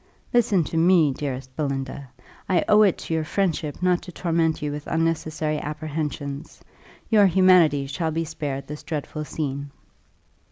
Listen to me, dearest Belinda! I owe it to your friendship not to torment you with unnecessary apprehensions. Your humanity shall be spared this dreadful scene."